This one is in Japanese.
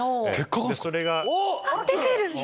それが。出てる！